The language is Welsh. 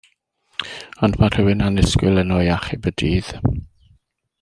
Ond mae rhywun annisgwyl yno i achub y dydd.